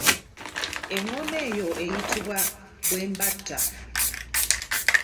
Engoma eyo eyitibwa bwembatta.